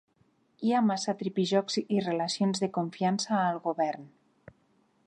Hi ha massa tripijocs i relacions de confiança al govern.